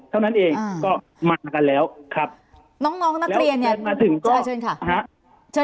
เท่านั้นเองก็มากันแล้วแล้วเดินมาถึงก็